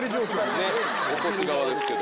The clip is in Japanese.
ねっ起こす側ですけど。